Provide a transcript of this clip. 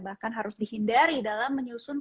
bahkan harus dihindari dalam menyusun